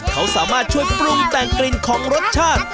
เขาสามารถช่วยปรุงแต่งกลิ่นของรสชาติ